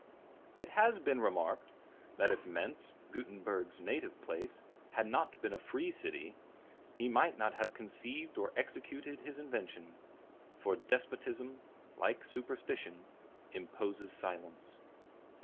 It has been remarked, that if Mentz, Gutenberg's native place, had not been a free city, he might not have conceived or executed his invention; for despotism, like superstition, imposes silence.